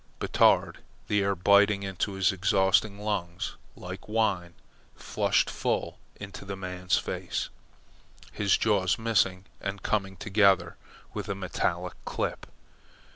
Batard, the air biting into his exhausted lungs like wine, flashed full into the man's face, his jaws missing and coming together with a metallic clip.